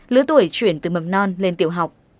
lứa tuổi chuyển từ mầm non lên tiểu học